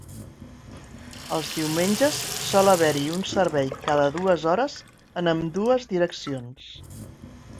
Els diumenges sol haver-hi un servei cada dues hores en ambdues direccions.